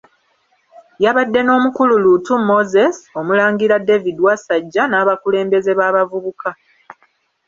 Yabadde n’omukulu Luutu Moses, omulangira David Wasajja n’abakulembeze b’abavubuka.